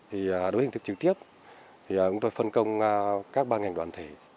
thì đối với hình thức trực tiếp thì chúng tôi phân công các ban ngành đoàn thể